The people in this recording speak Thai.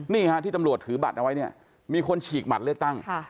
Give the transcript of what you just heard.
นี่ฮะที่ตำรวจถือบัตรเอาไว้เนี่ยมีคนฉีกบัตรเลือกตั้ง